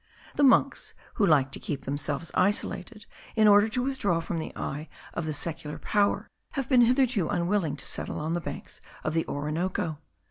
The monks, who like to keep themselves isolated, in order to withdraw from the eye of the secular power, have been hitherto unwilling to settle on the banks of the Orinoco.